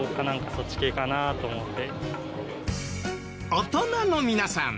大人の皆さん